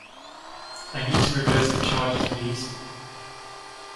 I need to reverse the charges, please